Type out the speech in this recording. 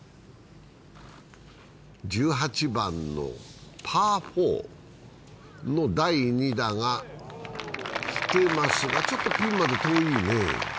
１８番のパー４の第２打が来てますが、ちょっとピンまで遠いねえ。